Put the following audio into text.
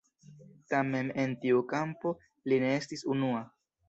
Tamen en tiu kampo li ne estis unua.